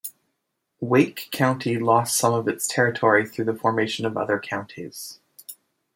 Wake County lost some of its territory through the formation of other counties.